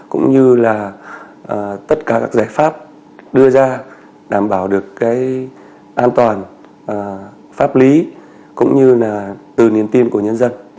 cũng như là tất cả các giải pháp đưa ra đảm bảo được cái an toàn pháp lý cũng như là từ niềm tin của nhân dân